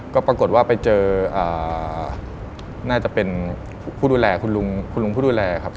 ก็ปรากฏว่าไปเจอน่าจะเป็นคุณลุงผู้ดูแล